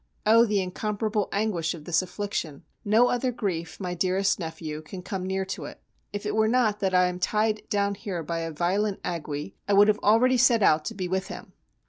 Oh! the incomparable anguish of this affliction! No other grief, my dearest nephew, can come near to it. If it were not that I am tied down here by a violent ague I would have already set out to be with him.